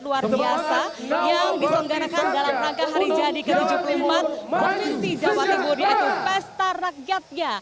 luar biasa yang diselenggarakan dalam rangka hari jadi ke tujuh puluh empat provinsi jawa timur yaitu pesta rakyatnya